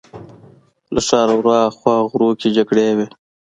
له ښاره ورهاخوا غرو کې جګړې وې.